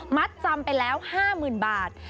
จำไปแล้ว๕๐๐๐บาท